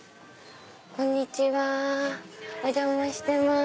こんにちはお邪魔してます。